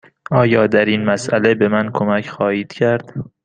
یا در این مسأله به من کمک خواهید کرد؟